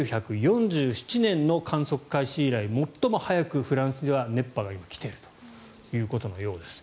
１９４７年の観測開始以来最も早くフランスでは今、熱波が来ているということのようです。